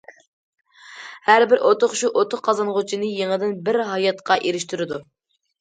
ھەر بىر ئۇتۇق شۇ ئۇتۇق قازانغۇچىنى يېڭىدىن بىر ھاياتقا ئېرىشتۈرىدۇ.